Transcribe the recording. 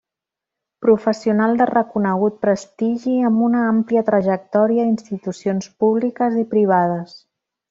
Professional de reconegut prestigi amb una àmplia trajectòria a institucions públiques i privades.